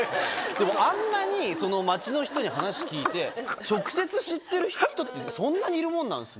でもあんなに街の人に話聞いて直接知ってる人ってそんなにいるもんなんですね。